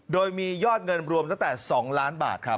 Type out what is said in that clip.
โดยมียอดเงินรวมตั้งแต่๒ล้านบาทครับ